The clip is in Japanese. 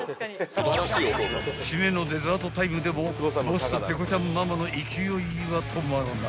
［締めのデザートタイムでもボスとペコちゃんママの勢いは止まらない］